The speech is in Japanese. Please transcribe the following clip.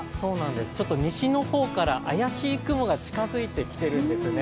ちょっと西の方から怪しい雲が近づいてきてるんですね。